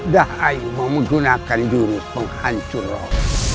dahayu mau menggunakan jurus penghancur roh